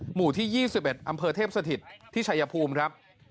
หมู่ที่๒๑อำเภอเทพสถิตที่ชัยภูมิครับ